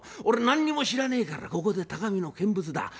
俺何にも知らねえからここで高みの見物だ。